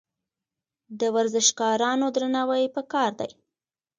د ورزشکارانو درناوی پکار دی.